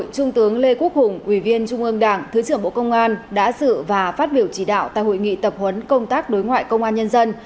trung tướng lê quốc hùng ủy viên trung ương đảng thứ trưởng bộ công an đã dự và phát biểu chỉ đạo tại hội nghị tập huấn công tác đối ngoại công an nhân dân